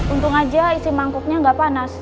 untung aja isi mangkuknya nggak panas